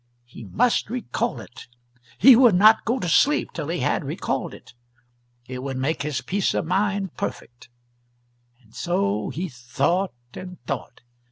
He must recall it he would not go to sleep till he had recalled it; it would make his peace of mind perfect. And so he thought and thought.